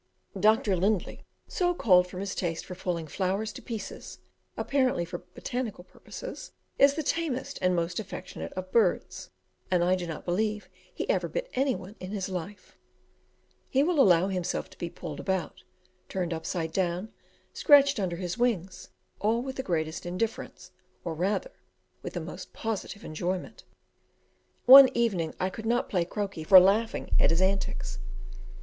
"Dr. Lindley" so called from his taste for pulling flowers to pieces apparently for botanical purposes is the tamest and most affectionate of birds, and I do not believe he ever bit any one in his life; he will allow himself to be pulled about, turned upside down, scratched under his wings, all with the greatest indifference, or rather with the most positive enjoyment. One evening I could not play croquet for laughing at his antics.